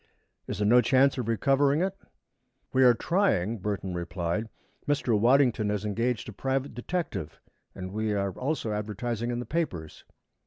Is there no chance of recovering it? "We are trying," Burton replied. "Mr. Waddington has engaged a private detective and we are also advertising in the papers."